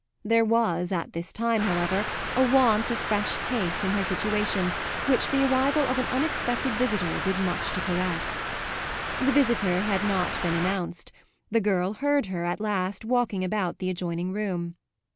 There was at this time, however, a want of fresh taste in her situation which the arrival of an unexpected visitor did much to correct. The visitor had not been announced; the girl heard her at last walking about the adjoining room.